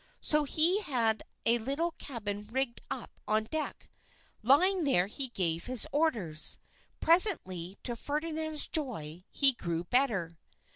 So he had a little cabin rigged up on deck. Lying there, he gave his orders. Presently, to Ferdinand's joy, he grew better.